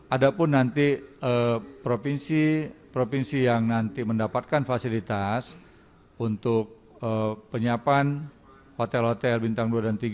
ada pun nanti provinsi provinsi yang nanti mendapatkan fasilitas untuk penyiapan hotel hotel bintang dua dan tiga